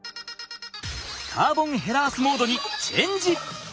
カーボン・へラース・モードにチェンジ！